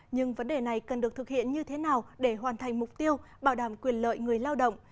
nhưng vấn đề này cần được thực hiện như thế nào để hoàn thành mục tiêu bảo đảm quyền lợi người lao động